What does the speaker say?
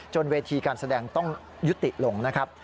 เวทีการแสดงต้องยุติลงนะครับ